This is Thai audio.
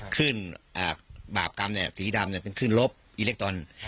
ขึ้นบาปกรรมสีดำเป็นขึ้นลบอิเล็กตรอน